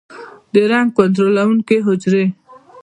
د رنګ کنټرولونکو حجرې